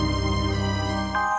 nini yang bisa kemana mana